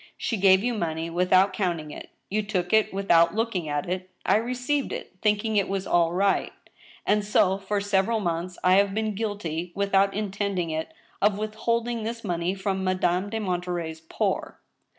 She gave you money without counting it, you took it without look ing at it, I received it thinking it was all right ; and so, for several months, I have been guilty, without intending it, of withholding this money from Madame de Monterey's poor.